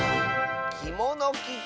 「きものきて」。